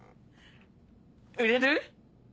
売れる？